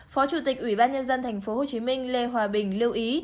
phó chủ tịch ủy ban nhân dân tp hcm lê hòa bình lưu ý